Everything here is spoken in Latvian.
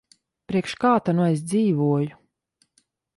Priekš kā ta nu es dzīvoju.